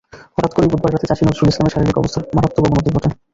হঠাৎ করেই বুধবার রাতে চাষী নজরুল ইসলামের শারীরিক অবস্থার মারাত্মক অবনতি ঘটে।